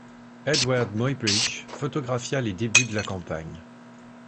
Eadweard Muybridge photographia les débuts de la campagne.